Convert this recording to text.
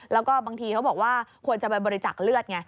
แล้วก็บางทีเขาบอกว่าควรจะไปบริจักษ์เลือดไง